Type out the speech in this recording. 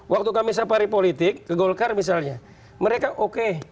waktu kami safari politik ke golkar misalnya mereka oke